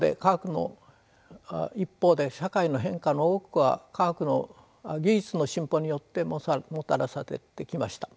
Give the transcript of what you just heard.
一方で社会の変化の多くは技術の進歩によってもたらされてきました。